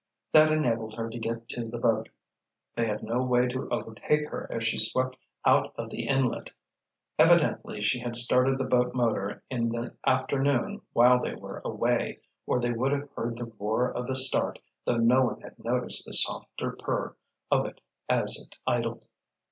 That enabled her to get to the boat. They had no way to overtake her as she swept out of the inlet. Evidently she had started the boat motor in the afternoon while they were away, or they would have heard the roar of the start though no one had noticed the softer purr of it as it idled.